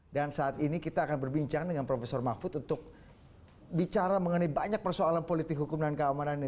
dan saat ini kita akan berbincang dengan prof mahfud untuk bicara mengenai banyak persoalan politik hukum dan keamanan ini